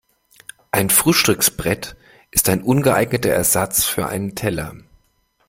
Ein Frühstücksbrett ist ein ungeeigneter Ersatz für einen Teller.